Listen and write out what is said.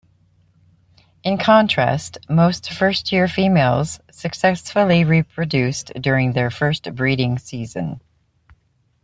In contrast, most first-year females successfully reproduce during their first breeding season.